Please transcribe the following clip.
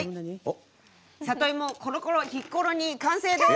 「里芋コロコロヒッコロ煮ー」完成です！